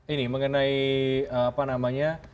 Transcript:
ini mengenai apa namanya